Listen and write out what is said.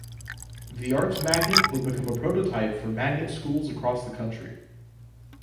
The Arts Magnet would become a prototype for magnet schools across the country.